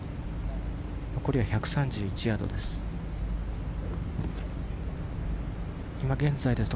残りは１３１ヤードです。